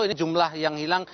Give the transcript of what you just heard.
ini jumlah yang hilang